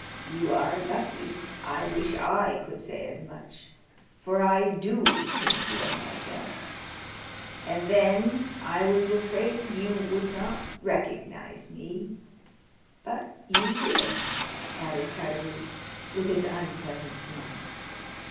"You are lucky; I wish I could say as much, for I do conceal myself; and then I was afraid you would not recognize me, but you did," added Caderousse with his unpleasant smile.